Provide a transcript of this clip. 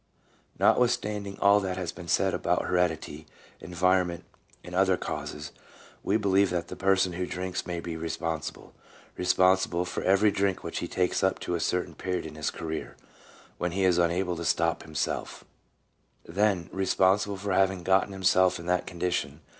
Notwithstanding all that has been said about heredity, environment, and other causes, we believe that the person who drinks may be responsible, — responsible for every drink which he takes up to a certain period in his career, when he is unable to stop himself; then responsible for having gotten himself in that condition.